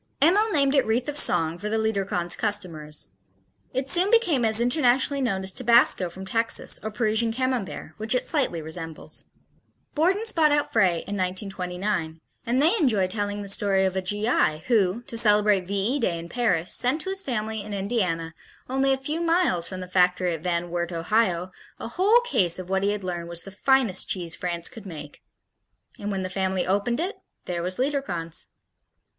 Emil named it "Wreath of Song" for the Liederkranz customers. It soon became as internationally known as tabasco from Texas or Parisian Camembert which it slightly resembles. Borden's bought out Frey in 1929 and they enjoy telling the story of a G.I. who, to celebrate V E Day in Paris, sent to his family in Indiana, only a few miles from the factory at Van Wert, Ohio, a whole case of what he had learned was "the finest cheese France could make." And when the family opened it, there was Liederkranz.